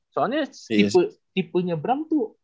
soalnya tipunya abraham tuh